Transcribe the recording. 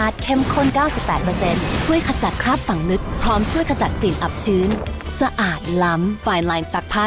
ที่ยังตามไม่ได้เพราะว่าโทรศัพท์